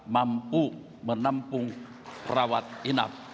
mampu menampung rawat inap